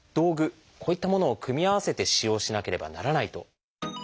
こういったものを組み合わせて使用しなければならないと。